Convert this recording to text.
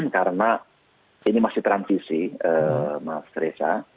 karena ini masih transisi mas reza